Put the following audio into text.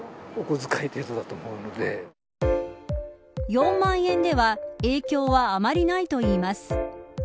４万円では影響はあまりないといいます。